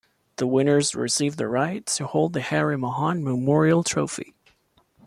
The winners receive the right to hold the Harry Mahon memorial trophy.